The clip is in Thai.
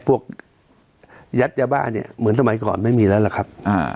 พวกยัดยาบ้าเนี่ยเหมือนสมัยก่อนไม่มีแล้วล่ะครับ